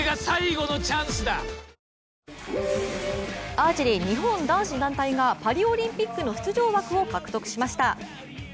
アーチェリー日本男子団体がパリオリンピックの出場枠を獲得しました。